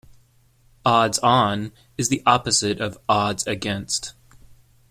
"Odds on" is the opposite of "odds against".